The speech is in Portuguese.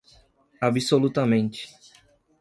Absolutamente